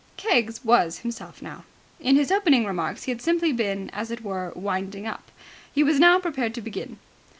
Keggs was himself now. In his opening remarks he had simply been, as it were, winding up. He was now prepared to begin.